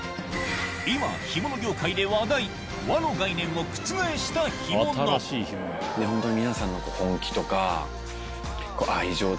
今干物業界で話題和の概念を覆した干物ホントに。